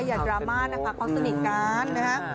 อย่าดราม่านะคะความสนิทกันนะคะ